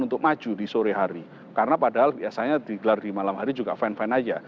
untuk maju di sore hari karena padahal biasanya digelar di malam hari juga fine fine aja